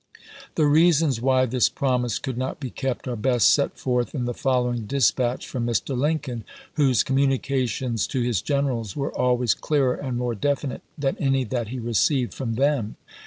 The reasons why this promise could not be kept are best set forth in the following dispatch from Mr. Lincoln, whose com munications to his generals were always clearer and more definite than any that he received from them.